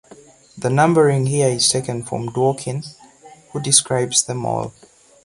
The numbering here is taken from Dworkin, who describes them all.